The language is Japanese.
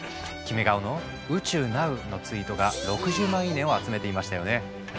キメ顔の「宇宙なう」のツイートが６０万いいねを集めていましたよね。